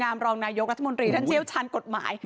อำรองนายที่อยู่กับรัฐมนตรีท่านเจ้าชาญกฎหมาย